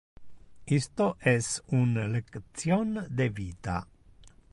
Isto es un lection de vita.